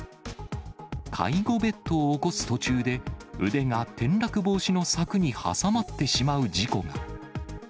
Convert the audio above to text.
介護ベッドを起こす途中で、腕が転落防止の柵に挟まってしまう事故が。